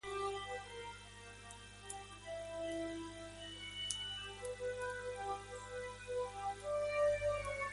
Asimismo, se reproducen asexualmente por gemación, dando origen a otros ejemplares.